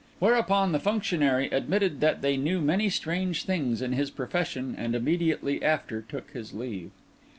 Whereupon the functionary admitted that they knew many strange things in his profession, and immediately after took his leave.